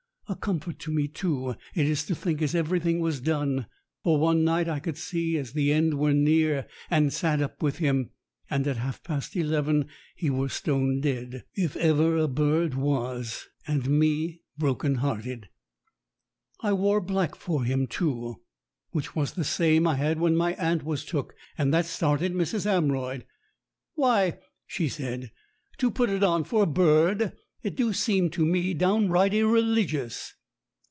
A comfort to me, too, it is to think as everything was done, for one night I could see as the end were near and sat up with him, and at half past eleven he were stone dead, if ever a bird was, and me broken hearted. I wore black for him, too, which was the same I had when my aunt was took, and that started Mrs. Am royd. "Why," she said, "to put it on for a bird, it do seem to me downright irreligious."